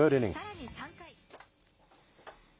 さらに３回。